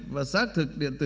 và xác thực điện tử